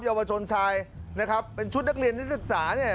เยาวชนชายนะครับเป็นชุดนักเรียนนักศึกษาเนี่ย